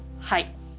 はい。